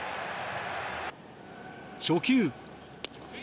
初球。